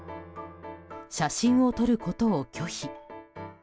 写真を撮ることを拒否。